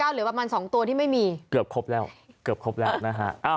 เหลือประมาณสองตัวที่ไม่มีเกือบครบแล้วเกือบครบแล้วนะฮะ